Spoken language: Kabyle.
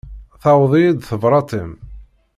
Tewweḍ-iyi-d tebrat-im.